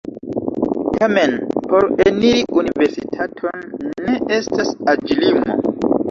Tamen por eniri universitaton ne estas aĝlimo.